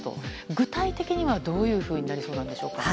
具体的にはどういうふうになりそうですか？